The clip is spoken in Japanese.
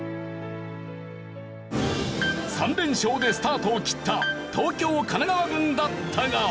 ３連勝でスタートを切った東京・神奈川軍だったが。